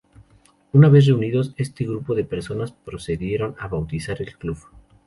Una vez reunidos; este grupo de personas procedieron a bautizar el Club.